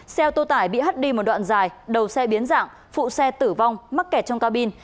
xe ô tô tải bị hắt đi một đoạn dài đầu xe biến dạng phụ xe tử vong mắc kẹt trong ca bin